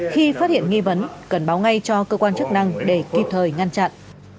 khi phát hiện nghi vấn cần báo ngay cho cơ quan chức năng để kịp thời ngăn chặn